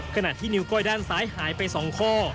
ขณะที่นิ้วก้อยด้านซ้ายหายไป๒ข้อ